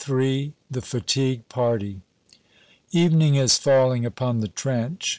XXIII The Fatigue Party EVENING is falling upon the trench.